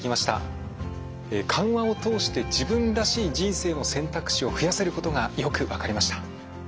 緩和を通して自分らしい人生の選択肢を増やせることがよく分かりました。